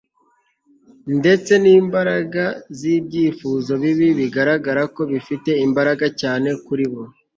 ndetse n'imbaraga z'ibyifuzo bibi bigaragara ko bifite imbaraga cyane kuri bo